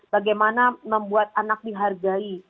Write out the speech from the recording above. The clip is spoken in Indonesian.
bagaimana membuat anak dihargai